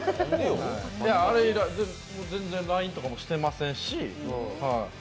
あれ以来、全然ＬＩＮＥとかもしてませんし。